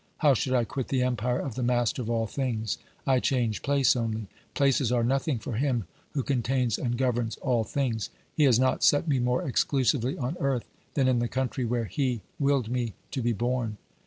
How should I quit the empire of the Master of all things ? I change place only ; places are nothing for him who contains and governs all things. He has not set me more exclusively on earth than in the country where He willed me to be born.